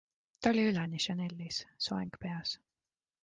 Ta oli üleni Chanelis, soeng peas.